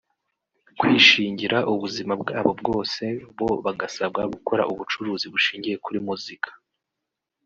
kwishingira ubuzima bwabo bwose bo bagasabwa gukora ubucuruzi bushingiye kuri Muzika